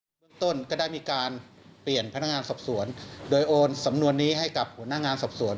เมืองต้นก็ได้มีการเปลี่ยนพนักงานสอบสวนโดยโอนสำนวนนี้ให้กับหัวหน้างานสอบสวน